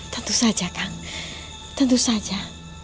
tentu saja kang tentu saja